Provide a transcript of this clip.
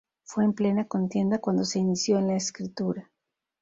Fue en plena contienda cuando se inició en la escritura.